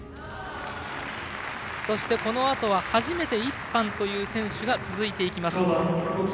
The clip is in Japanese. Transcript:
そしてこのあとは初めて１班という選手が続きます。